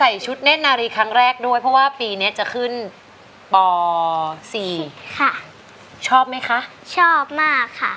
ชุดเน่นนารีครั้งแรกด้วยเพราะว่าปีนี้จะขึ้นป๔ค่ะชอบไหมคะชอบมากค่ะ